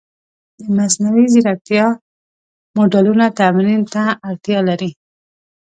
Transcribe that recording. د مصنوعي ځیرکتیا موډلونه تمرین ته اړتیا لري.